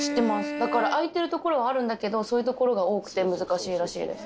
だから空いてるところはあるんだけどそういうところが多くて難しいらしいです。